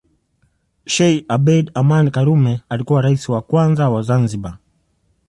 Sheikh Abeid Amani Karume alikuwa Rais wa kwanza wa Zanzibar